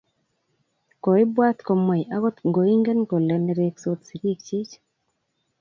koibwat kimwei akot ngoinget kole nereksot sikikchin